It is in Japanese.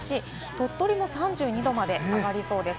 鳥取も３２度まで上がりそうです。